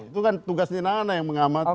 itu kan tugasnya nana yang mengamati